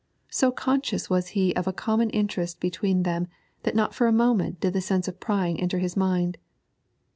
So conscious was he of a common interest between them that not for a moment did the sense of prying enter his mind.